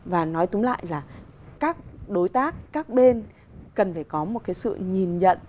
và nói túng lại là các đối tác các bên cần phải có một cái sự nhìn nhận